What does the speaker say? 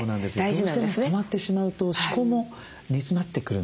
どうしても止まってしまうと思考も煮詰まってくるんですね。